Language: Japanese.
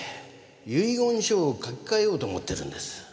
遺言書を書き換えようと思ってるんです。